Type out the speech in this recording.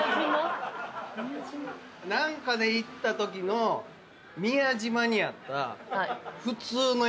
何かで行ったときの宮島にあった普通のやつ。